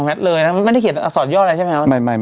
อ๋อแมทเลยนะไม่ได้เขียนอัสอดยอดอะไรใช่ไหมครับ